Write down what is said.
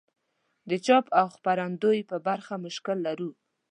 د چاپ او خپرندوی په برخه کې مشکل لرو.